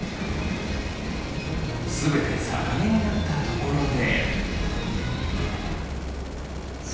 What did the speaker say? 全て逆毛になったところで。